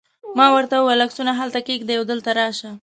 ما ورته وویل: عکسونه هلته کښېږده او دلته راشه.